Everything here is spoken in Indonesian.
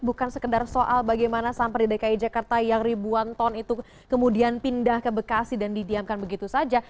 bukan sekedar soal bagaimana sampah di dki jakarta yang ribuan ton itu kemudian pindah ke bekasi dan didiamkan begitu saja